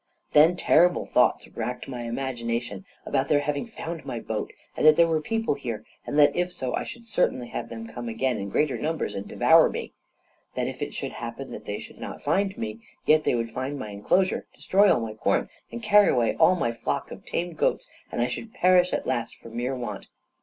Then terrible thoughts racked my imagination about their having found out my boat, and that there were people here; and that, if so, I should certainly have them come again in greater numbers and devour me; that if it should happen that they should not find me, yet they would find my enclosure, destroy all my corn, and carry away all my flock of tame goats, and I should perish at last for mere want.